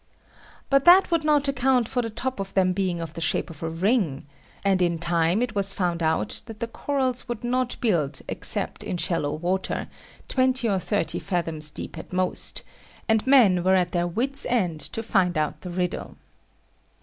But that would not account for the top of them being of the shape of a ring; and in time it was found out that the corals would not build except in shallow water, twenty or thirty fathoms deep at most, and men were at their wits' ends to find out the riddle.